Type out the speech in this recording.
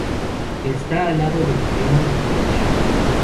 Está al lado del Millennium Bridge.